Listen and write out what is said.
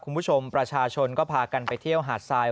คุณผู้ชมประชาชนก็พากันไปเที่ยวหาดทราย